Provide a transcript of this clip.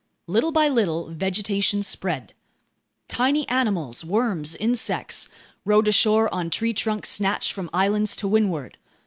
Little by little, vegetation spread. Tiny animals—worms, insects—rode ashore on tree trunks snatched from islands to windward.